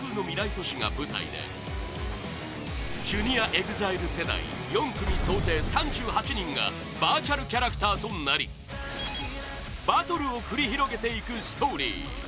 都市が舞台でＪｒ．ＥＸＩＬＥ世代４組総勢３８人がバーチャルキャラクターとなりバトルを繰り広げていくストーリー